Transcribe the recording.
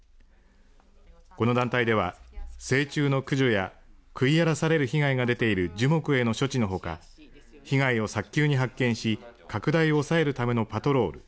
この団体では成虫の駆除や食い荒らされる被害が出ている樹木への処置のほか被害を早急に発見し拡大を抑えるためのパトロール